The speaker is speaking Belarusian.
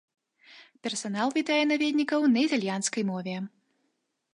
Персанал вітае наведнікаў на італьянскай мове.